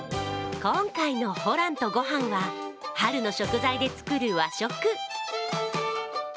今回の「ホランとごはん」は春の食材で作る和食。